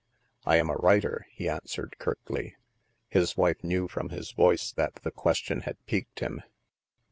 " I am a writer," he answered curtly. His wife knew from his voice that the question had piqued him.